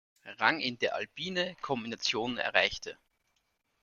Rang in der Alpine Kombination erreichte.